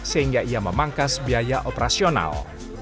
sehingga ia memangkas biaya operasional